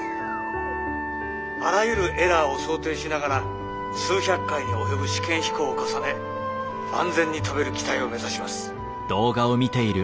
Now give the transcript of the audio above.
「あらゆるエラーを想定しながら数百回に及ぶ試験飛行を重ね安全に飛べる機体を目指します」。